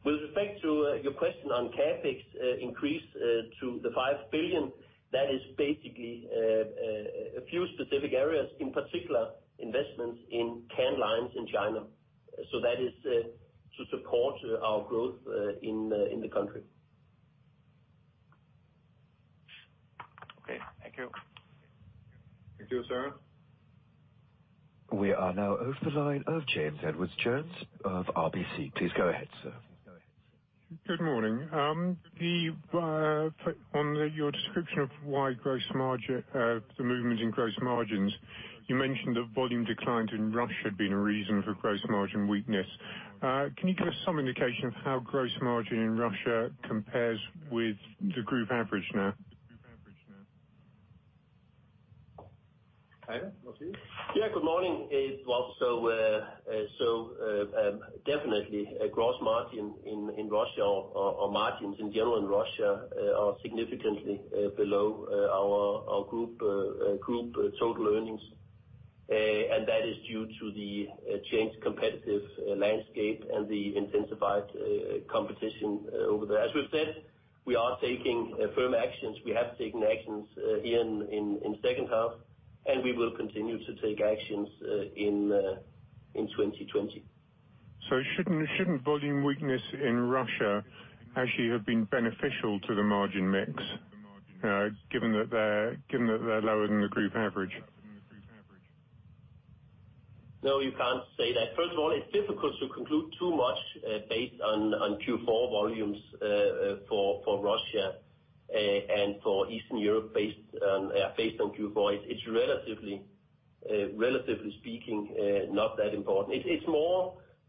With respect to your question on CapEx increase to the 5 billion, that is basically a few specific areas, in particular, investments in can lines in China. That is to support our growth in the country. Okay. Thank you. Thank you, Søren. We are now over the line of James Edwardes Jones of RBC. Please go ahead, sir. Good morning. On your description of the movements in gross margins, you mentioned that volume declines in Russia had been a reason for gross margin weakness. Can you give us some indication of how gross margin in Russia compares with the group average now? Heine, over to you. Yeah, good morning. Definitely, gross margin in Russia or margins in general in Russia are significantly below our group total earnings. That is due to the changed competitive landscape and the intensified competition over there. As we've said, we are taking firm actions. We have taken actions here in the second half, and we will continue to take actions in 2020. Shouldn't volume weakness in Russia actually have been beneficial to the margin mix, given that they're lower than the group average? No, you can't say that. First of all, it's difficult to conclude too much based on Q4 volumes for Russia and for Eastern Europe based on Q4. It's relatively speaking, not that important.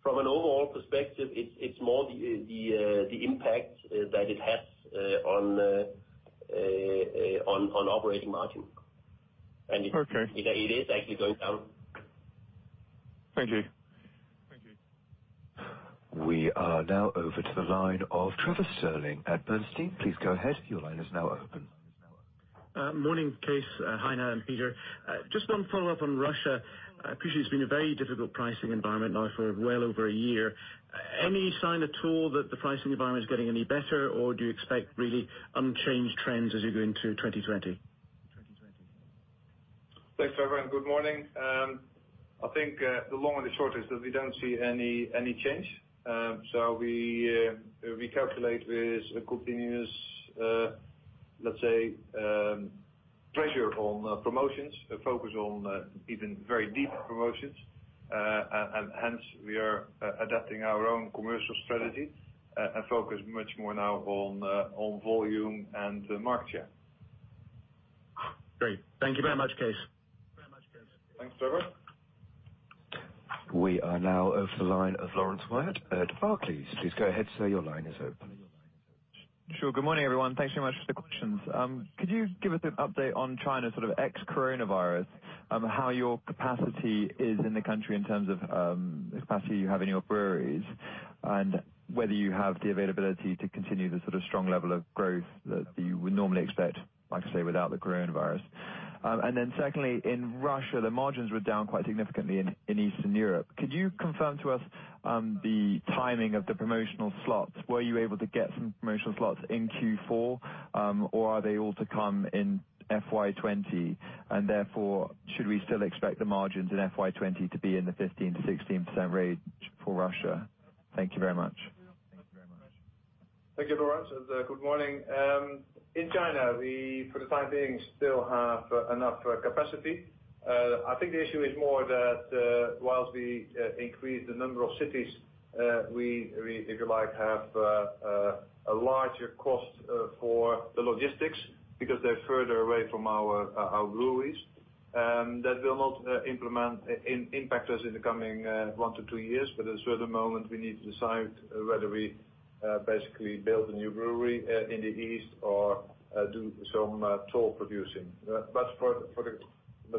From an overall perspective, it's more the impact that it has on operating margin. Okay. It is actually going down. Thank you. We are now over to the line of Trevor Stirling at Bernstein. Please go ahead. Your line is now open. Morning, Cees. Hi, Heine and Peter. Just one follow-up on Russia. I appreciate it's been a very difficult pricing environment now for well over a year. Any sign at all that the pricing environment is getting any better, or do you expect really unchanged trends as you go into 2020? Thanks, Trevor, and good morning. I think the long and short is that we don't see any change. We calculate with continuous, let's say, pressure on promotions, a focus on even very deep promotions. Hence, we are adapting our own commercial strategy and focus much more now on volume and market share. Great. Thank you very much, Cees. Thanks, Trevor. We are now over to the line of Laurence Whyatt at Barclays. Please go ahead, sir, your line is open. Sure. Good morning, everyone. Thanks so much for the questions. Could you give us an update on China, sort of ex-coronavirus, how your capacity is in the country in terms of capacity you have in your breweries, and whether you have the availability to continue the sort of strong level of growth that you would normally expect, like, say, without the coronavirus? Secondly, in Russia, the margins were down quite significantly in Eastern Europe. Could you confirm to us the timing of the promotional slots? Were you able to get some promotional slots in Q4, or are they all to come in FY 2020? Therefore, should we still expect the margins in FY 2020 to be in the 15%-16% range for Russia? Thank you very much. Thank you, Laurence. Good morning. In China, we, for the time being, still have enough capacity. I think the issue is more that while we increase the number of cities, we, if you like, have a larger cost for the logistics because they're further away from our breweries. That will not impact us in the coming one to two years. At a certain moment, we need to decide whether we basically build a new brewery in the East or do some toll producing. For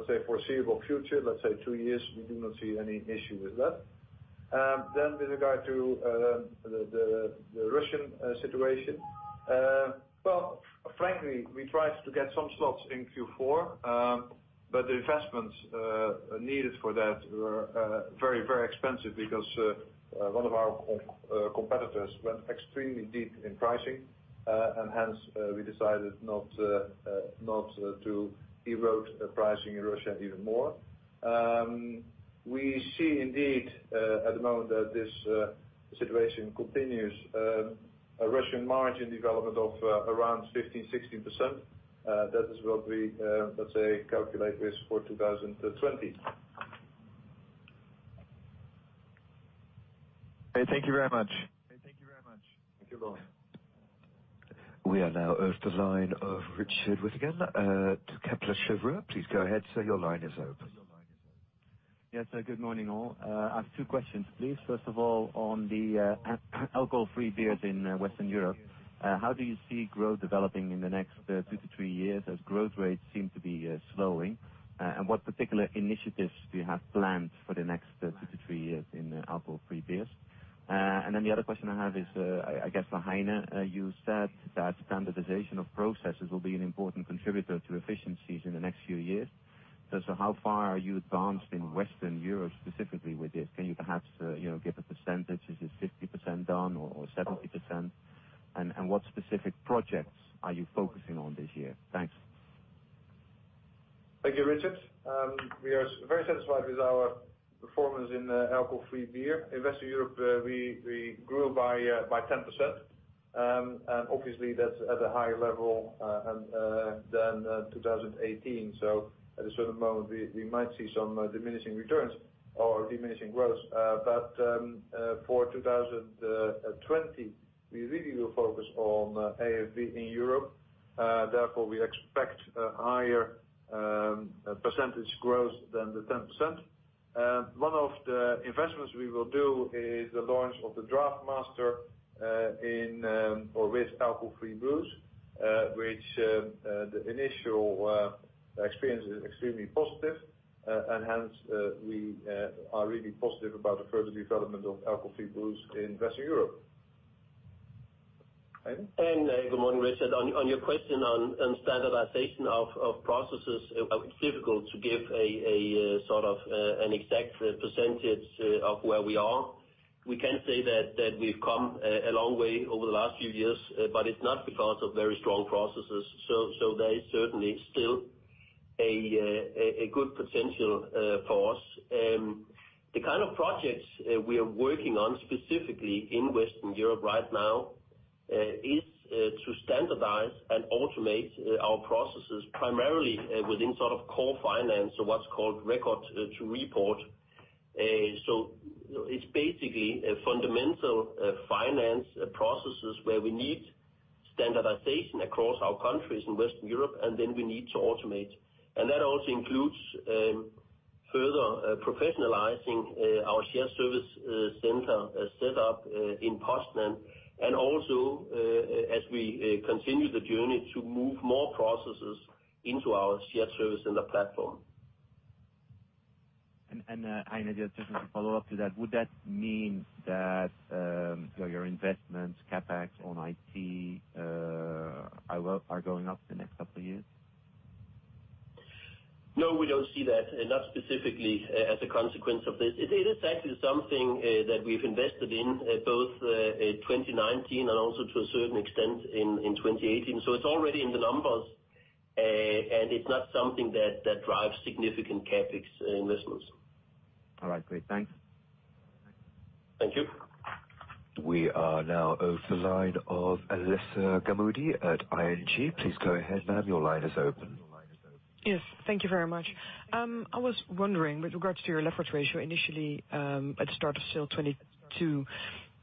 the foreseeable future, let's say two years, we do not see any issue with that. With regard to the Russian situation, well, frankly, we tried to get some slots in Q4, but the investments needed for that were very expensive because one of our competitors went extremely deep in pricing, and hence we decided not to erode pricing in Russia even more. We see indeed at the moment that this situation continues a Russian margin development of around 15%-16%. That is what we calculate with for 2020. Okay. Thank you very much. Thank you, Laurence. We are now over to the line of Richard Withagen at Kepler Cheuvreux. Please go ahead, sir, your line is open. Yes, good morning, all. I have two questions, please. First of all, on the alcohol-free beers in Western Europe, how do you see growth developing in the next two to three years as growth rates seem to be slowing? What particular initiatives do you have planned for the next two to three years in alcohol-free beers? The other question I have is, I guess for Heine, you said that standardization of processes will be an important contributor to efficiencies in the next few years. How far are you advanced in Western Europe specifically with this? Can you perhaps give a percentage? Is this 50% done or 70%? What specific projects are you focusing on this year? Thanks. Thank you, Richard. We are very satisfied with our performance in alcohol-free beer. In Western Europe, we grew by 10%. Obviously that's at a higher level than 2018. At a certain moment, we might see some diminishing returns or diminishing growth. For 2020, we really will focus on AFB in Europe. Therefore, we expect a higher percentage growth than the 10%. One of the investments we will do is the launch of the DraftMaster with alcohol-free brews, which the initial experience is extremely positive, and hence we are really positive about the further development of alcohol-free brews in Western Europe. Good morning, Richard. On your question on standardization of processes, it's difficult to give a sort of an exact percentage of where we are. We can say that we've come a long way over the last few years, but it's not because of very strong processes. There is certainly still a good potential for us. The kind of projects we are working on, specifically in Western Europe right now, is to standardize and automate our processes primarily within core finance or what's called record to report. It's basically fundamental finance processes where we need standardization across our countries in Western Europe, and then we need to automate. That also includes further professionalizing our shared service center set up in Poznań, and also, as we continue the journey, to move more processes into our shared service center platform. Heine, just as a follow-up to that, would that mean that your investments, CapEx on IT are going up the next couple of years? No, we don't see that, not specifically as a consequence of this. It is actually something that we've invested in both in 2019 and also to a certain extent in 2018. It's already in the numbers, and it's not something that drives significant CapEx investments. All right, great. Thanks. Thank you. We are now over the line of [Elisa Giammatteo] at ING. Please go ahead, ma'am. Your line is open. Thank you very much. I was wondering with regards to your leverage ratio, initially, at the start of SAIL 2022,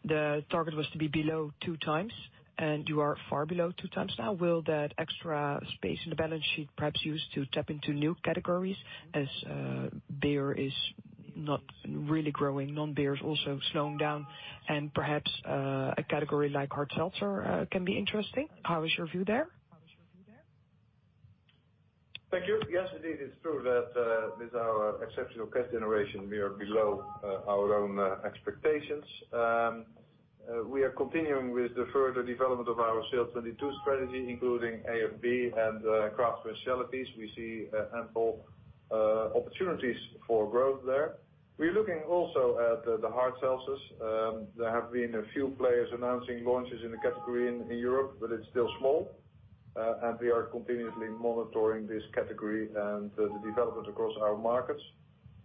the target was to be below two times, and you are far below two times now. Will that extra space in the balance sheet perhaps be used to tap into new categories as beer is not really growing, non-beer is also slowing down, and perhaps a category like hard seltzer can be interesting? How is your view there? Thank you. Yes, indeed, it's true that with our exceptional cash generation, we are below our own expectations. We are continuing with the further development of our SAIL 2022 strategy, including AFB and craft specialties. We see ample opportunities for growth there. We're looking also at the hard seltzers. There have been a few players announcing launches in the category in Europe, but it's still small. We are continuously monitoring this category and the development across our markets.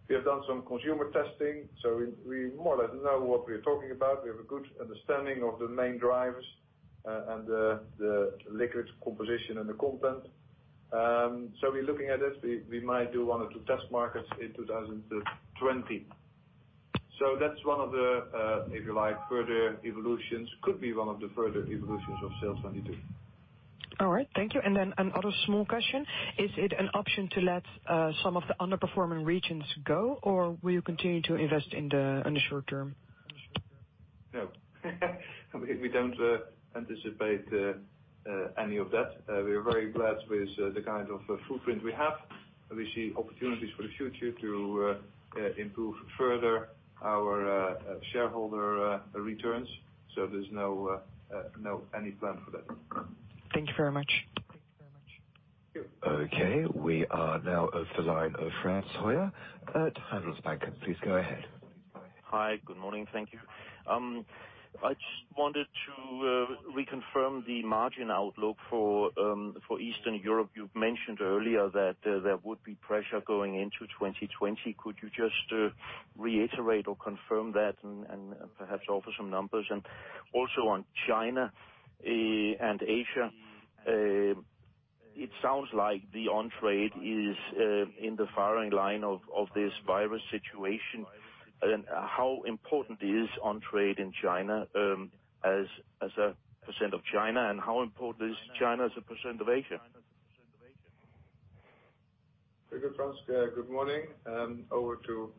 We have done some consumer testing, so we more or less know what we're talking about. We have a good understanding of the main drivers and the liquid composition and the content. We're looking at it. We might do one or two test markets in 2020. That's one of the, if you like, further evolutions, could be one of the further evolutions of SAIL 2022. All right. Thank you. Another small question. Is it an option to let some of the underperforming regions go, or will you continue to invest in the short term? No. We don't anticipate any of that. We are very glad with the kind of footprint we have. We see opportunities for the future to improve further our shareholder returns. There's no any plan for that. Thank you very much. Thank you. Okay. We are now over the line of Frans Høyer at Handelsbanken. Please go ahead. Hi. Good morning. Thank you. I just wanted to reconfirm the margin outlook for Eastern Europe. You've mentioned earlier that there would be pressure going into 2020. Could you just reiterate or confirm that and perhaps offer some numbers? Also on China and Asia, it sounds like the on-trade is in the firing line of this virus situation. How important is on-trade in China as a percentage of China, and how important is China as a percentage of Asia? Very good, Frans. Good morning. Over to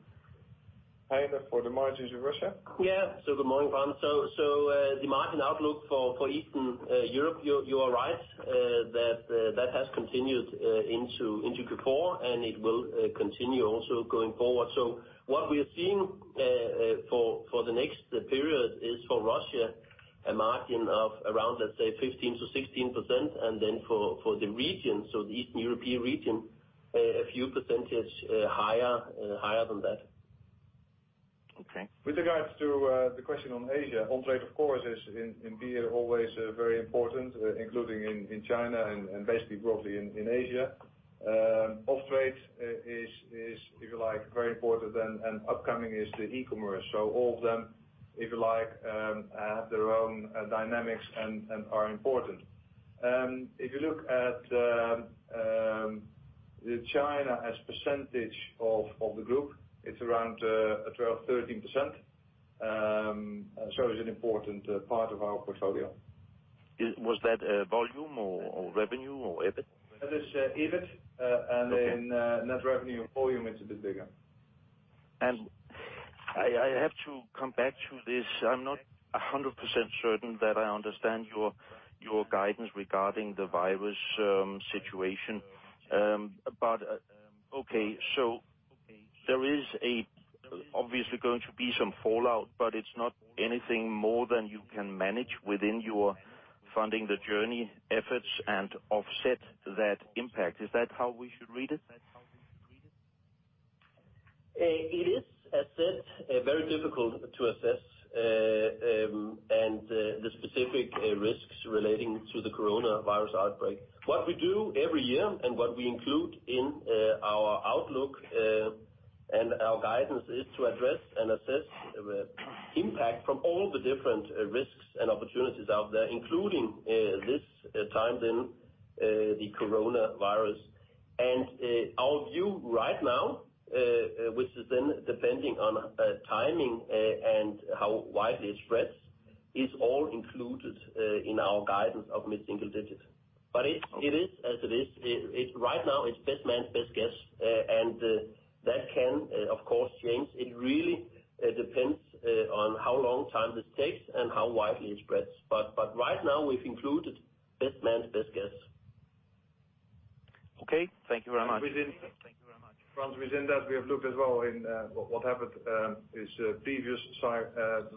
Heine for the margins in Russia. Yeah. Good morning, Frans. The margin outlook for Eastern Europe, you are right, that has continued into Q4, and it will continue also going forward. What we are seeing for the next period is for Russia, a margin of around, let's say, 15%-16%, and then for the region, so the Eastern European region, a few percentage higher than that. Okay. With regards to the question on Asia, on-trade, of course, is in beer always very important, including in China and basically broadly in Asia. Off-trade is, if you like, very important, and upcoming is the e-commerce. All of them, if you like, have their own dynamics and are important. If you look at China as percentage of the group, it's around 12%-13%, so it's an important part of our portfolio. Was that volume or revenue or EBIT? That is EBIT. Net revenue volume, it's a bit bigger. I have to come back to this. I'm not 100% certain that I understand your guidance regarding the virus situation. Okay, there is obviously going to be some fallout, but it's not anything more than you can manage within your Funding the Journey efforts and offset that impact. Is that how we should read it? It is, as said, very difficult to assess the specific risks relating to the coronavirus outbreak. What we do every year and what we include in our outlook and our guidance is to address and assess the impact from all the different risks and opportunities out there, including this time then, the coronavirus. Our view right now, which is then depending on timing and how widely it spreads, is all included in our guidance of mid-single digits. It is as it is. Right now, it's best man's best guess, and that can, of course, change. It really depends on how long time this takes and how widely it spreads. Right now, we've included best man's best guess. Okay. Thank you very much. Frans, within that, we have looked as well in what happened with previous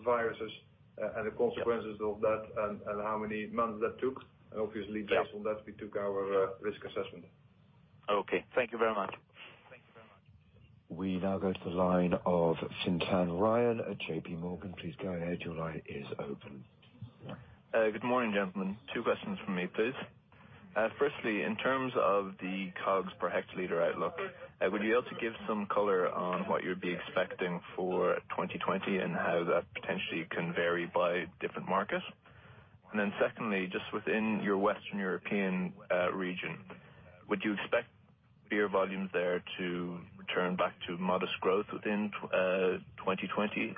viruses and the consequences of that and how many months that took. Obviously based on that, we took our risk assessment. Okay. Thank you very much. We now go to the line of Fintan Ryan at JPMorgan. Please go ahead. Your line is open. Good morning, gentlemen. Two questions from me, please. Firstly, in terms of the COGS per hectoliter outlook, would you be able to give some color on what you'd be expecting for 2020 and how that potentially can vary by different markets? Secondly, just within your Western European region, would you expect beer volumes there to return back to modest growth within 2020?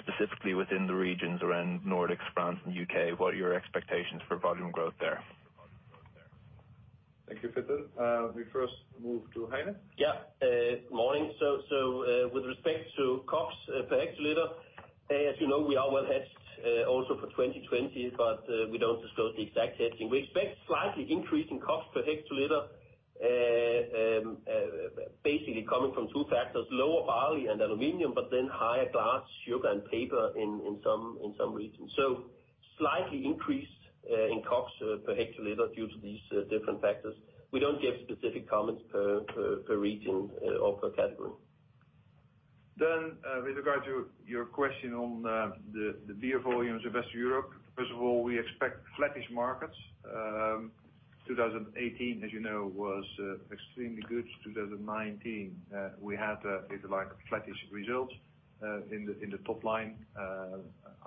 Specifically within the regions around Nordics, France, and U.K., what are your expectations for volume growth there? Thank you, Fintan. We first move to Heine. Yeah. Morning. With respect to COGS per hectoliter, as you know, we are well-hedged also for 2020, but we don't disclose the exact hedging. We expect slightly increasing COGS per hectoliter, basically coming from two factors: lower barley and aluminum, but then higher glass, sugar, and paper in some regions. Slightly increased in COGS per hectoliter due to these different factors. We don't give specific comments per region or per category. With regard to your question on the beer volumes of Western Europe, first of all, we expect flattish markets. 2018, as you know, was extremely good. 2019, we had, if you like, flattish results in the top line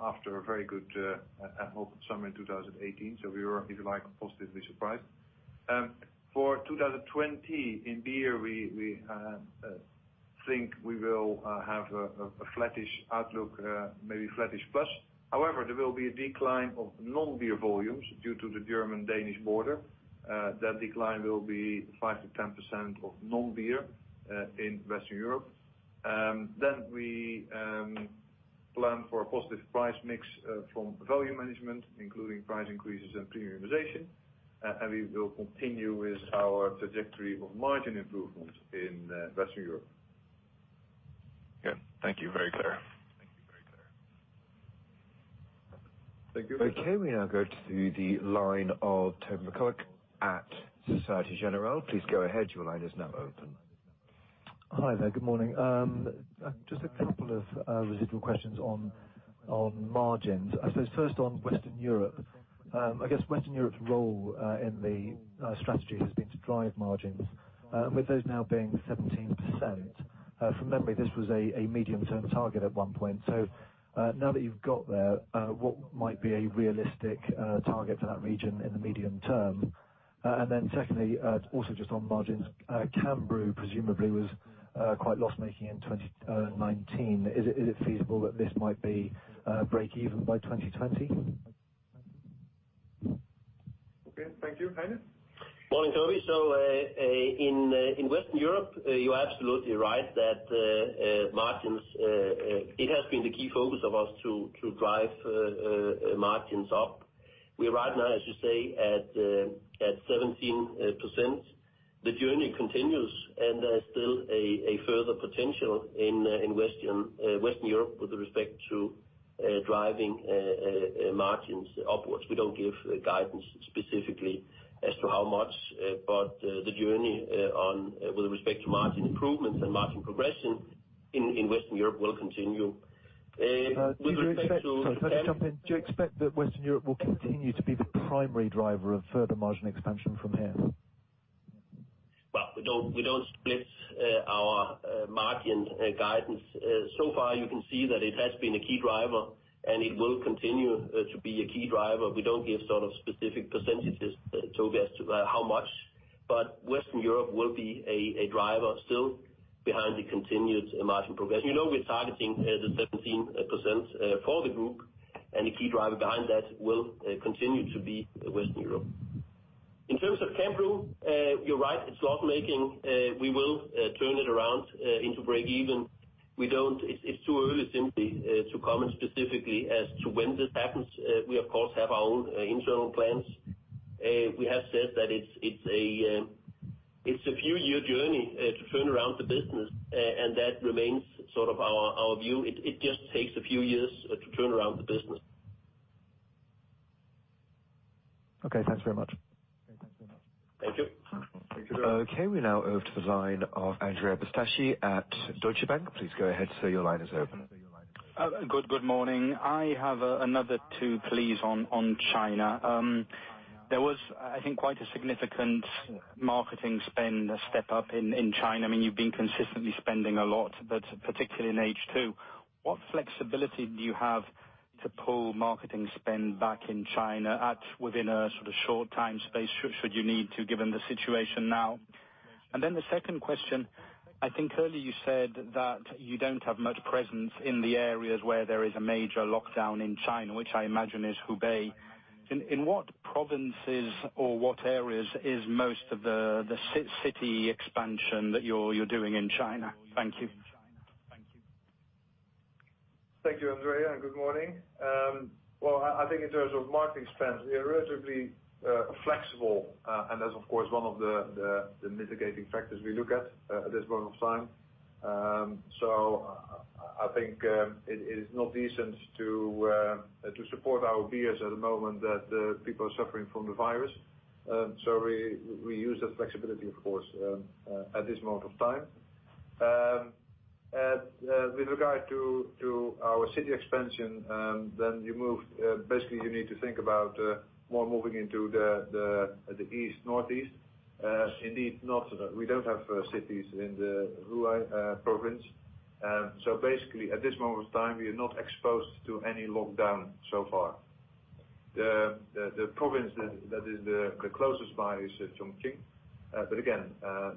after a very good summer in 2018. We were, if you like, positively surprised. For 2020, in beer, we think we will have a flattish outlook, maybe flattish plus. However, there will be a decline of non-beer volumes due to the German-Danish border. That decline will be 5%-10% of non-beer in Western Europe. We plan for a positive price mix from volume management, including price increases and premiumization, and we will continue with our trajectory of margin improvement in Western Europe. Yeah. Thank you. Very clear. Thank you. Okay, we now go to the line of Toby McCullagh at Société Générale. Please go ahead. Your line is now open. Hi there. Good morning. Just a couple of residual questions on margins. I suppose first on Western Europe. I guess Western Europe's role in the strategy has been to drive margins. With those now being 17%, from memory, this was a medium-term target at one point. Now that you've got there, what might be a realistic target for that region in the medium term? Secondly, also just on margins, Cambrew presumably was quite loss-making in 2019. Is it feasible that this might be breakeven by 2020? Okay. Thank you. Heine? Morning, Toby. In Western Europe, you're absolutely right that margins, it has been the key focus of us to drive margins up. We are right now, as you say, at 17%. The journey continues, and there's still a further potential in Western Europe with respect to driving margins upwards. We don't give guidance specifically as to how much, but the journey with respect to margin improvements and margin progression in Western Europe will continue. Sorry, can I just jump in? Do you expect that Western Europe will continue to be the primary driver of further margin expansion from here? We don't split our margin guidance. You can see that it has been a key driver, and it will continue to be a key driver. We don't give sort of specific percentages, Toby, as to how much, Western Europe will be a driver still behind the continued margin progression. You know we're targeting the 17% for the group, the key driver behind that will continue to be Western Europe. In terms of Cambrew, you're right, it's loss-making. We will turn it around into breakeven. It's too early simply to comment specifically as to when this happens. We of course have our own internal plans We have said that it's a few year journey to turn around the business. That remains our view. It just takes a few years to turn around the business. Okay, thanks very much. Thank you. Okay, we now go to the line of Andrea Pistacchi at Deutsche Bank. Please go ahead, sir, your line is open. Good morning. I have another two, please, on China. There was, I think, quite a significant marketing spend step up in China. You've been consistently spending a lot, but particularly in H2. What flexibility do you have to pull marketing spend back in China at within a short time space should you need to, given the situation now? Then the second question, I think earlier you said that you don't have much presence in the areas where there is a major lockdown in China, which I imagine is Hubei. In what provinces or what areas is most of the city expansion that you're doing in China? Thank you. Thank you, Andrea, and good morning. I think in terms of marketing spend, we are relatively flexible, and that's of course one of the mitigating factors we look at this point of time. I think it is not decent to support our beers at the moment that people are suffering from the virus. We use the flexibility, of course, at this moment of time. With regard to our city expansion, basically you need to think about more moving into the east, northeast. Indeed, we don't have cities in the Hubei province. Basically, at this moment of time, we are not exposed to any lockdown so far. The province that is the closest by is Chongqing. Again,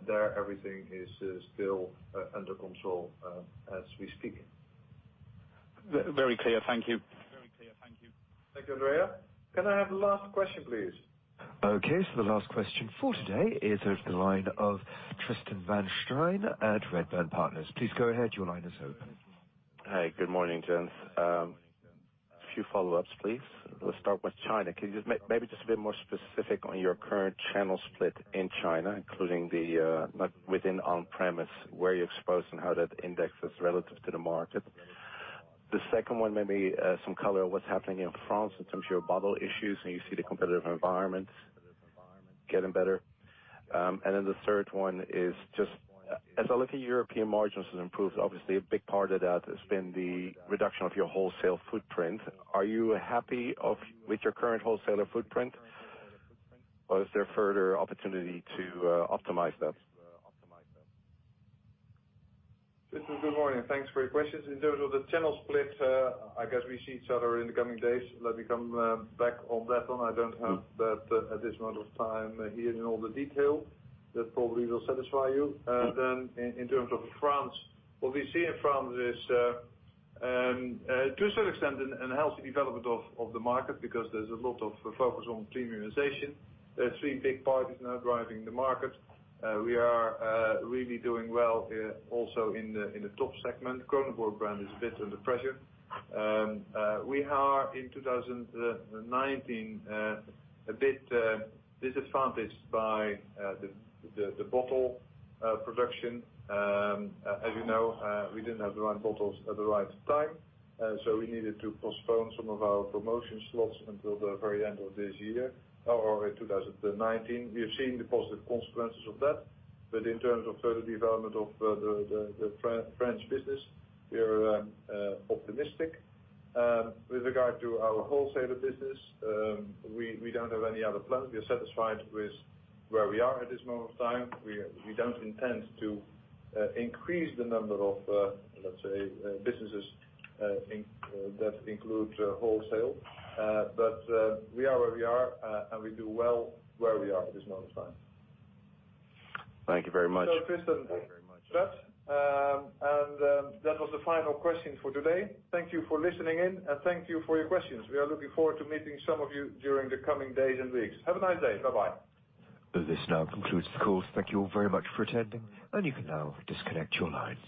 there everything is still under control as we speak. Very clear. Thank you. Thank you, Andrea. Can I have the last question, please? Okay, the last question for today is over the line of Tristan van Strien at Redburn Partners. Please go ahead, your line is open. Hi, good morning, gents. A few follow-ups, please. Let's start with China. Can you maybe just a bit more specific on your current channel split in China, including within on-premise, where you're exposed and how that index is relative to the market? The second one, maybe some color on what's happening in France in terms of your bottle issues, and you see the competitive environment getting better. The third one is just as I look at European margins have improved, obviously a big part of that has been the reduction of your wholesale footprint. Are you happy with your current wholesaler footprint? Is there further opportunity to optimize that? Tristan, good morning. Thanks for your questions. In terms of the channel split, I guess we see each other in the coming days. Let me come back on that one. I don't have that at this moment of time here in all the detail that probably will satisfy you. In terms of France, what we see in France is, to a certain extent, a healthy development of the market because there's a lot of focus on premiumization. There are three big parties now driving the market. We are really doing well also in the top segment. Kronenbourg brand is a bit under pressure. We are in 2019 a bit disadvantaged by the bottle production. As you know, we didn't have the right bottles at the right time. We needed to postpone some of our promotion slots until the very end of this year or in 2019. We have seen the positive consequences of that. In terms of further development of the French business, we are optimistic. With regard to our wholesaler business, we don't have any other plans. We are satisfied with where we are at this moment of time. We don't intend to increase the number of, let's say, businesses that include wholesale. We are where we are, and we do well where we are at this moment of time. Thank you very much. Tristan, with that, and that was the final question for today. Thank you for listening in, and thank you for your questions. We are looking forward to meeting some of you during the coming days and weeks. Have a nice day. Bye-bye. This now concludes the call. Thank you all very much for attending, and you can now disconnect your lines.